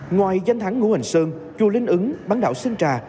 ngoài danh thắng ngũ hành sơn chua lính ứng bán đạo sinh trà